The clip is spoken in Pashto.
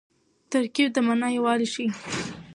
ترکیب د مانا یووالی ښيي.